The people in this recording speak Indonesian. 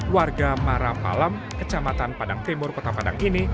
warga marapalam kecamatan padang timur kota padang ini